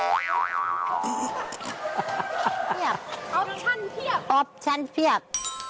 โอปชั่นเพียบโอปชั่นเพียบ